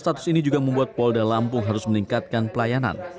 status ini juga membuat polda lampung harus meningkatkan pelayanan